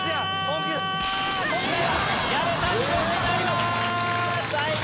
今回は矢部さんにゴチになります。